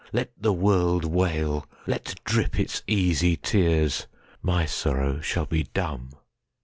Let the world wail! Let drip its easy tears! My sorrow shall be dumb!